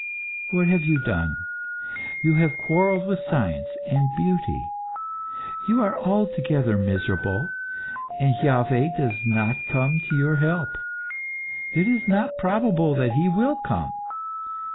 What have you done? You have quarrelled with science and beauty. You are altogether miserable, and Iaveh does not come to your help. It is not probable that he will come.